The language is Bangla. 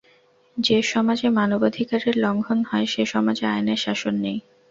যে সমাজে মানবাধিকারের লঙ্ঘন হয়, সে সমাজে আইনের শাসন নেই।